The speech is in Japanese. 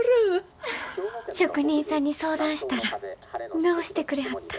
職人さんに相談したら直してくれはった。